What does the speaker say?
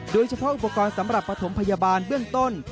โดยเฉพาะอุปกรณ์สำหรับประถมพยาบาลเบื้องต้น